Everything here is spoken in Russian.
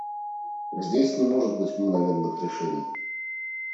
Здесь не может быть мгновенных решений.